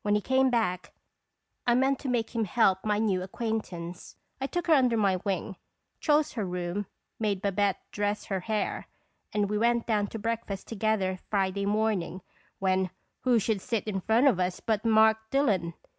When he came back, I meant to make him help my new acquaintance. I took her under my wing, chose her room, made Babette dress her hair, and we went down to breakfast together Friday morning, when who should sit in front of us but Mark Dillon